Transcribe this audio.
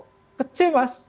itu kecil mas